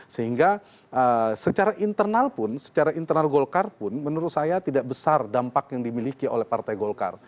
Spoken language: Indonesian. sehingga secara internal pun secara internal golkar pun menurut saya tidak besar dampak yang dimiliki oleh partai golkar